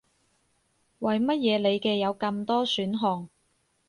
為乜嘢你嘅有咁多選項